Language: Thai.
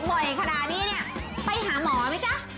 บ่อยขนาดนี้เนี่ยไปหาหมอไหมจ๊ะ